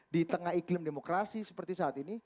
di tengah iklim demokrasi seperti saat ini